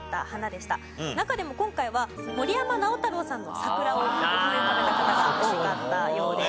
中でも今回は森山直太朗さんの『さくら』を思い浮かべた方が多かったようです。